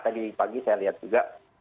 tadi pagi saya lihat juga